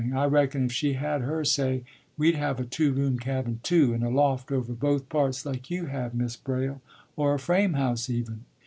I reckon if she had her say we'd have a two room cabin, too, and a loft over both parts, like you have, Mis' Braile, or a frame house, even.